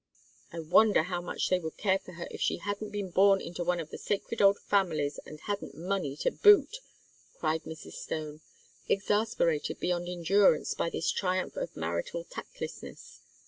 "I wonder how much they would care for her if she hadn't been born into one of the sacred old families, and hadn't money to boot!" cried Mrs. Stone, exasperated beyond endurance by this triumph of marital tactlessness.